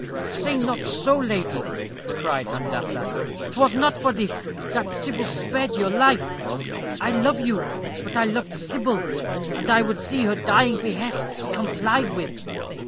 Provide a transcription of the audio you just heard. "Say not so, lady," cried Handassah "'twas not for this that Sybil spared your life. I love you, but I loved Sybil, and I would see her dying behests complied with."